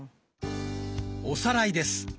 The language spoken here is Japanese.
おさらいです。